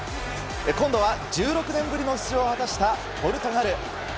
今度は１６年ぶりの出場を果たしたポルトガル。